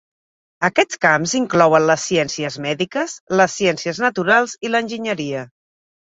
Aquests camps inclouen les ciències mèdiques, les ciències naturals i l'enginyeria.